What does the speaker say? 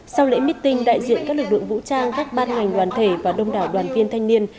sau lễ meeting đại diện các lực lượng vũ trang các ban hành đoàn thể và đông đảo đoàn viên thanh niên